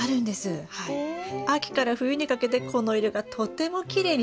秋から冬にかけてこの色がとてもきれいに出るんですよ。